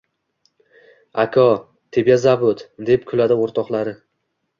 Ako, tebya zovut, deb kuladi o`rtoqlari